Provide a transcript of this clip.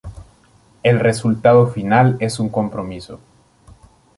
El resultado final es un compromiso.